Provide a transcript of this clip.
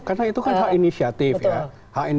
karena itu kan hak inisiatif ya